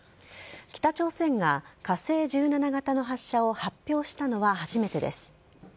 北朝鮮が火星１７型の発射を発表したのは初めてです。